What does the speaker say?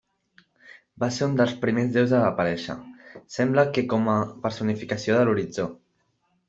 Va ser un dels primers déus a aparèixer, sembla que com a personificació de l'horitzó.